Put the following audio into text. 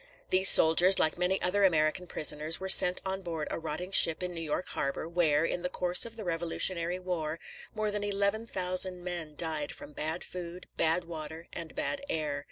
These soldiers, like many other American prisoners, were sent on board a rotting ship in New York harbor, where, in the course of the Revolutionary War, more than eleven thousand men died from bad food, bad water, and bad air.